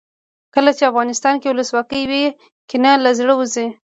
کله چې افغانستان کې ولسواکي وي کینه له زړه وځي.